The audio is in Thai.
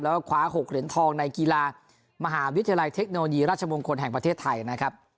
แล้วก็คว้า๖เหรียญทองในกีฬามหาวิทยาลัยเทคโนโลยีราชมงคลแห่งประเทศไทยนะครับ